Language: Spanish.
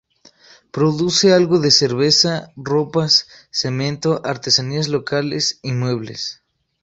Produce algo de cerveza, ropas, cemento, artesanías locales y muebles.